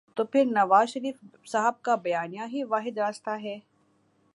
تو پھر نوازشریف صاحب کا بیانیہ ہی واحد راستہ ہے۔